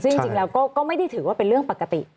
ซึ่งจริงแล้วก็ไม่ได้ถือว่าเป็นเรื่องปกติ